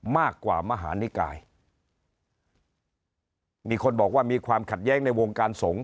มีคนบอกว่ามีความขัดแย้งในวงการสงฆ์